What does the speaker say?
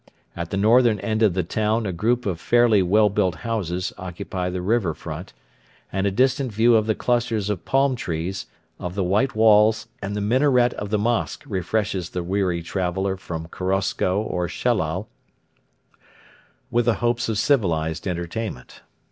At the northern end of the town a group of fairly well built houses occupy the river front, and a distant view of the clusters of palm trees, of the white walls, and the minaret of the mosque refreshes the weary traveller from Korosko or Shellal with the hopes of civilised entertainment.